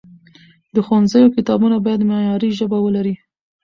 د ښوونځیو کتابونه باید معیاري ژبه ولري.